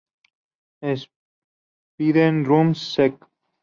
Epidendrum sect.